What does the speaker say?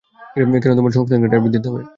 কেন তোমার সংস্থাকে ড্রাইভ দিতে হবে?